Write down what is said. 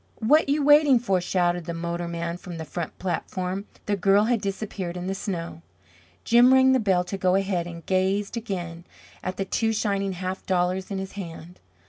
"What you waiting for?" shouted the motorman from the front platform. The girl had disappeared in the snow. Jim rang the bell to go ahead, and gazed again at the two shining half dollars in his hand.